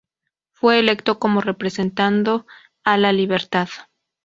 Fue electo como representando a La Libertad.